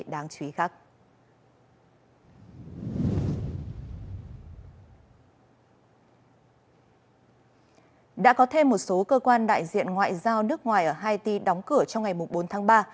đã có thêm một số cơ quan đại diện ngoại giao nước ngoài ở haiti đóng cửa trong ngày bốn tháng ba